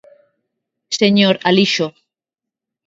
Señor Alixo.